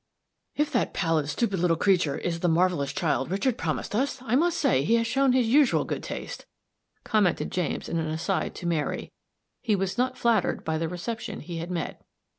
"If that pallid, stupid little creature is the marvelous child Richard promised us, I must say, he has shown his usual good taste," commented James in an aside to Mary. He was not flattered by the reception he had met.